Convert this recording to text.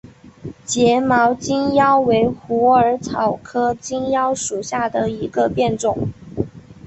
睫毛金腰为虎耳草科金腰属下的一个变种。